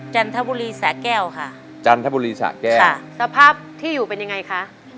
จันทบุรีสะแก้วค่ะจันทบุรีสะแก้วค่ะสภาพที่อยู่เป็นยังไงคะ